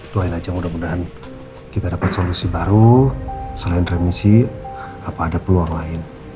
doain aja mudah mudahan kita dapat solusi baru selain remisi apa ada peluang lain